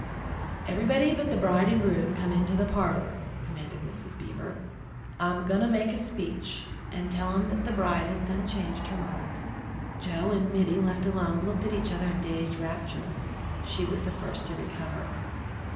"Everybody but the bride and groom come into the parlour," commanded Mrs. Beaver. "I'm a going to make a speech, and tell 'em that the bride has done changed her mind." Joe and Mittie, left alone, looked at each other in dazed rapture. She was the first to recover.